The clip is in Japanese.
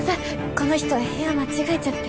この人部屋間違えちゃって。